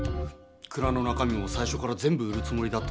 蔵の中身もさいしょから全部売るつもりだったんだし。